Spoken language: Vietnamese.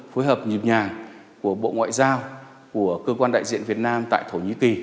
phối hợp nhịp nhàng của bộ ngoại giao của cơ quan đại diện việt nam tại thổ nhĩ kỳ